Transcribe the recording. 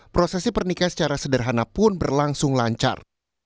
prosesi pernikahan secara sederhana pun berlangsung lancar